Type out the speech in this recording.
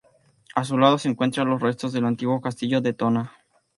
A su lado se encuentran los restos del antiguo castillo de Tona.